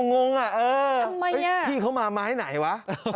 งงอะทำไมอะพี่เขามามาให้ไหนวะ